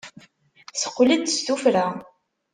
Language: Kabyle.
Teqqel-d s tuffra.